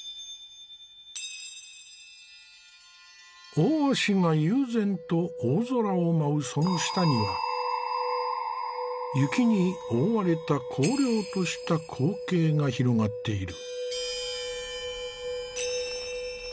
大鷲が悠然と大空を舞うその下には雪に覆われた荒涼とした光景が広がっている。